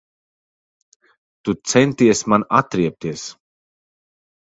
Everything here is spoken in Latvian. Tu centies man atriebties.